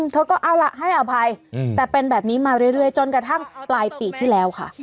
เธอก็เอาล่ะให้อภัยแต่เป็นแบบนี้มาเรื่อยจนกระทั่งปลายปีที่แล้วค่ะ